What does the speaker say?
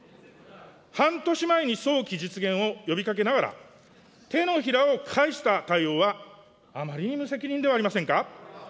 半年前に早期実現を呼びかけながら、手のひらを返した対応はあまりに無責任ではありませんか。